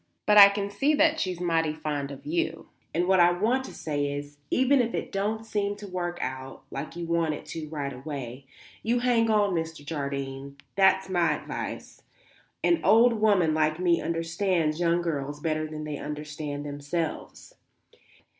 But I can see that she's mighty fond of you, and what I want to say is, even if it don't seem to work out like you want it to right away, you hang on, Mr. Jardine; that's my advice; an old woman like me understands young girls better than they understand themselves.